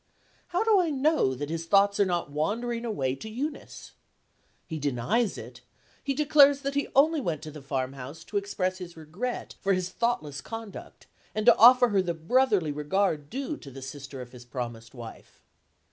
How do I know that his thoughts are not wandering away to Eunice? He denies it; he declares that he only went to the farmhouse to express his regret for his own thoughtless conduct, and to offer her the brotherly regard due to the sister of his promised wife.